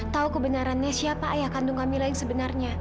tahu kebenarannya siapa ayah kandung kamila yang sebenarnya